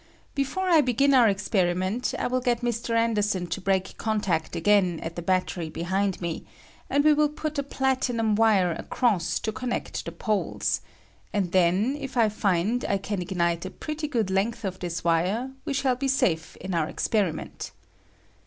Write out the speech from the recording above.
Before I begin our experiment I will get Mr. Anderson to break contact again at the battery behind me, and we will put a platinum wire across to connect the poles, and then if I find I can ignite a pretty good length of this wire we shall be safe in our experiment.